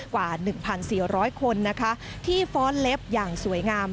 กว่า๑๔๐๐คนนะคะที่ฟ้อนเล็บอย่างสวยงาม